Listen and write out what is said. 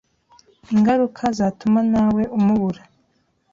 ingaruka zatuma nawe umubura.